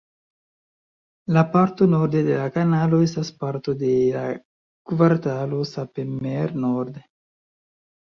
La parto norde de la kanalo estas parto de la kvartalo Sappemeer-Noord.